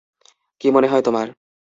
কী মনে হয় তোমার?